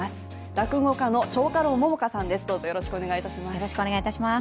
落語家の蝶花楼桃花さんです。